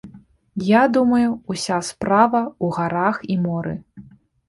Я думаю, уся справа ў гарах і моры.